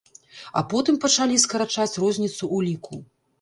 А потым пачалі скарачаць розніцу ў ліку.